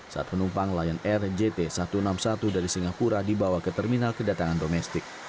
saat penumpang lion air jt satu ratus enam puluh satu dari singapura dibawa ke terminal kedatangan domestik